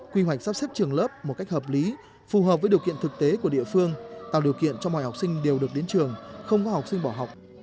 quy hoạch sắp xếp trường lớp một cách hợp lý phù hợp với điều kiện thực tế của địa phương tạo điều kiện cho mọi học sinh đều được đến trường không có học sinh bỏ học